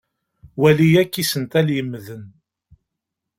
Wali akk isental yemmden.